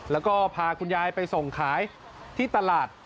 แล้วก็พาคุณยายไปส่งขายที่ตลาด